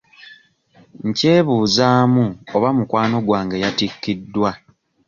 Nkyebuuzaamu oba mukwano gwange yatikiddwa.